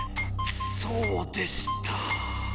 そうでした。